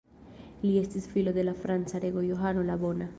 Li estis filo de la franca rego Johano la Bona.